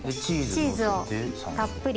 チーズをたっぷり。